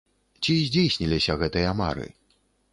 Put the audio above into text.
Ці здзейсніліся гэтыя мары?